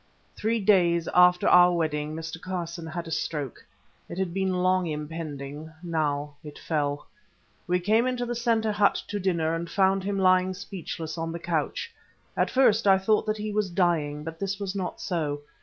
Three days after our wedding Mr. Carson had a stroke. It had been long impending, now it fell. We came into the centre hut to dinner and found him lying speechless on the couch. At first I thought that he was dying, but this was not so.